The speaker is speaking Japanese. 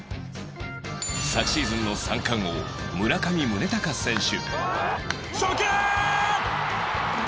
昨シーズンの三冠王村上宗隆選手